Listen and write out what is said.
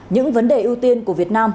những vấn đề ưu tiên của việt nam